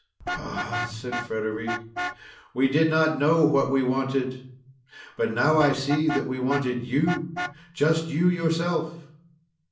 "Ah!" said Frederic, "we did not know what we wanted; but now I see that we wanted you just you yourself!"